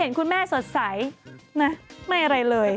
พอเห็นคุณแม่สดใสไม่อะไรเลย